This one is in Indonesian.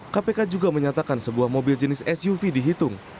kpk juga menyatakan sebuah mobil jenis suv dihitung